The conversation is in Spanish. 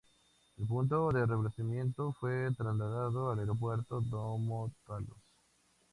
El punto de reabastecimiento fue trasladado al aeródromo Domo Talos.